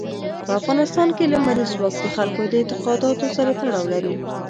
په افغانستان کې لمریز ځواک د خلکو د اعتقاداتو سره تړاو لري.